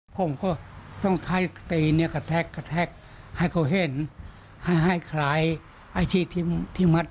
พอมาคุณตาเพิ่งบอกว่าที่คุณตาเป็นดีเป็นตีนต่าง